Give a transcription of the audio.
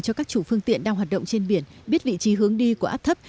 cho các chủ phương tiện đang hoạt động trên biển biết vị trí hướng đi của áp thấp